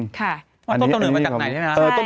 ต้นตำเนิดมาจากไหนใช่ไหมครับ